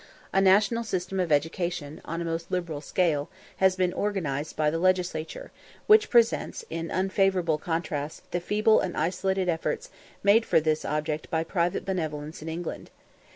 A national system of education, on a most liberal scale, has been organised by the Legislature, which presents in unfavourable contrast the feeble and isolated efforts made for this object by private benevolence in England.